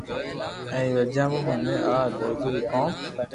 اي ري وجہ مون مني آ درزو رو ڪوم